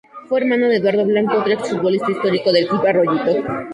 Fue hermano de Eduardo Blanco, otro ex futbolista histórico del club de Arroyito.